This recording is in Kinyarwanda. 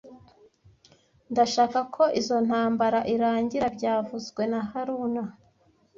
Ndashaka ko izoi ntambara irangira byavuzwe na haruna